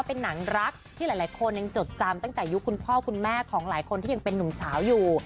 เป็นหนังรักที่หลายคนยังจดจำตั้งแต่ยุคคุณพ่อคุณแม่ของหลายคนที่ยังเป็นนุ่มสาวอยู่